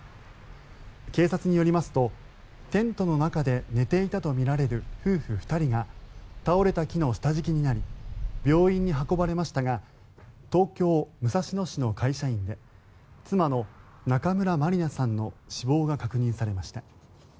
警察によりますとテントの中で寝ていたとみられる夫婦２人が倒れた木の下敷きになり病院に運ばれましたが東京・武蔵野市の会社員で妻の中村まりなさんの死亡が確認されました。